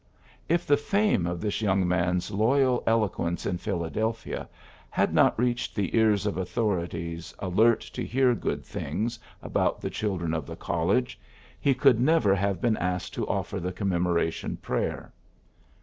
If the fame of this young man^s loyal eloquence in Philadelphia had not reached the ears of authorities alert to hear good things about the children of the college, he could never have been asked to offer the Commemoration Prayer.